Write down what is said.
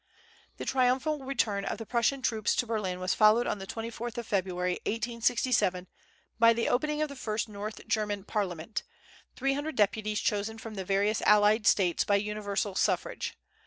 The triumphal return of the Prussian troops to Berlin was followed on the 24th of February, 1867, by the opening of the first North German parliament, three hundred deputies chosen from the various allied States by universal suffrage.